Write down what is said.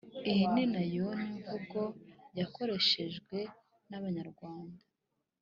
iyi ni na yon’i mvugo yakoreshejwe nabanyarwanda